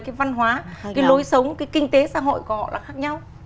cái văn hóa cái lối sống cái kinh tế xã hội của họ là khác nhau